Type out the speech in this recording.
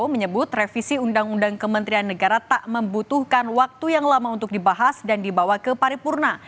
menyebut revisi undang undang kementerian negara tak membutuhkan waktu yang lama untuk dibahas dan dibawa ke paripurna